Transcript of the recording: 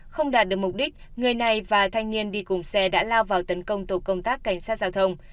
không đạt được mục đích người này và thanh niên đi cùng xe đã lao vào tấn công tổ công tác cảnh sát giao thông